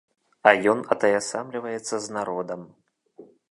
А ён атаясамліваецца з народам.